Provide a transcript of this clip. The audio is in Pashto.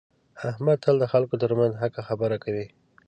احمد تل د خلکو ترمنځ حقه خبره کوي.